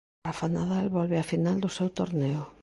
Rafa Nadal volve á final do seu torneo.